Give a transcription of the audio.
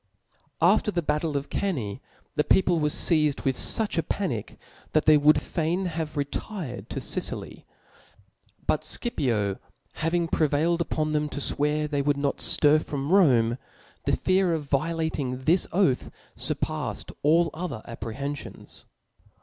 After the battle of Cannae, the people were fdzed with fuch a panic, that they would fain have retired to Sicily, ButScipio having prevail ed upon them to fwear they would not ftir from Rom6', the fear of violating this oath furpaffed all other apprehenfions.